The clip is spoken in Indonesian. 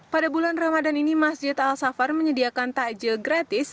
pada bulan ramadan ini masjid al safar menyediakan takjil gratis